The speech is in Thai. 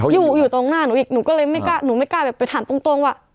อยู่อยู่ตรงหน้าหนูอีกหนูก็เลยไม่กล้าหนูไม่กล้าแบบไปถามตรงว่า